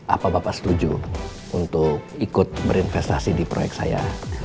apa bapak setuju untuk ikut berinvestasi di proyek saya